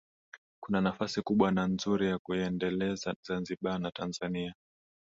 Kuna nafasi kubwa na nzuri ya kuiendeleza Zanzibar na Tanzania